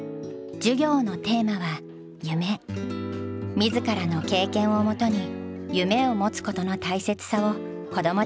自らの経験をもとに夢を持つことの大切さを子どもたちに伝えている。